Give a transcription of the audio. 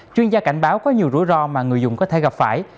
chuyên gia cảnh báo có nhiều rủi ro mà người dùng có thể gặp phải